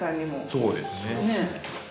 そうですね。